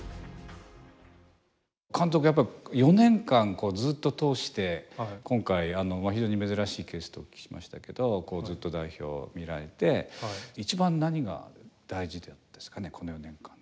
監督、やっぱり４年間ずっと通して今回、非常に珍しいケースとお聞きしましたけどずっと代表を見られて一番、何が大事でしたかね。